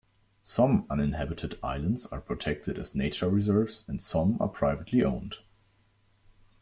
Some uninhabited islands are protected as nature reserves and some are privately owned.